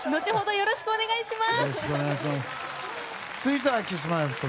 よろしくお願いします。